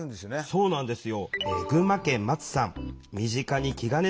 そうなんですよ。